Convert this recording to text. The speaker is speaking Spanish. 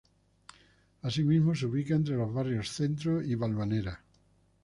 Así mismo se ubica entre los Barrios centro y Valvanera.